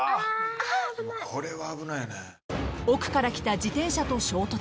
［奥から来た自転車と衝突］